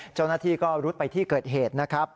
เจ้าหน้าที่ก็รุดไปที่เกิดเหตุนะครับ